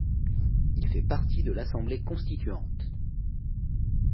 Il fait partie de l'Assemblée constituante.